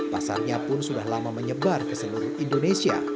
pasarnya pun sudah lama menyebar ke seluruh indonesia